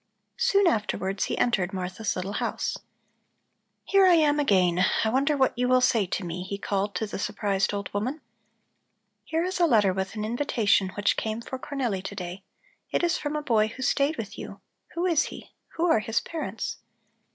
Soon afterwards he entered Martha's little house. "Here I am again. I wonder what you will say to me?" he called to the surprised old woman. "Here is a letter with an invitation which came for Cornelli to day. It is from a boy who stayed with you. Who is he? Who are his parents?"